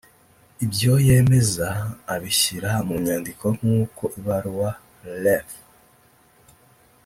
ibyo yemeza abishyira mu nyandiko nkuko ibaruwa Ref